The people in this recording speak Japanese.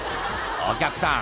「お客さん